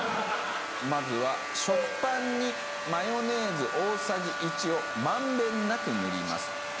まずは食パンにマヨネーズ大さじ１を満遍なく塗ります。